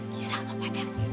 kisah sama pacarnya